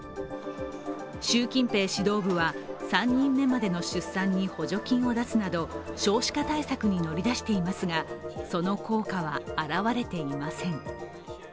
習近平指導部は、３人目までの出産に補助金を出すなど少子化対策に乗り出していますが、その効果は現れていません。